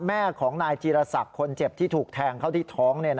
แม่ของนายจีรศักดิ์คนเจ็บที่ถูกแทงเข้าที่ท้อง